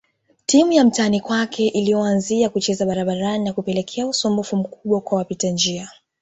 Timu ya mtaani kwake iliyoanzia kucheza barabarani na kupelekea usumbufu mkubwa kwa wapita njia